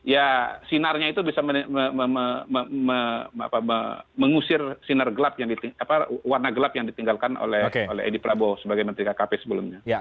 ya sinarnya itu bisa mengusir sinar warna gelap yang ditinggalkan oleh edi prabowo sebagai menteri kkp sebelumnya